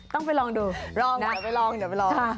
ต้องไปลองดูนะเดี๋ยวไปลอง